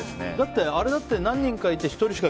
あれだって何人かいて１人しか